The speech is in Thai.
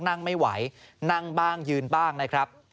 นั่งไม่ไหวนั่งบ้างยืนบ้างนะครับ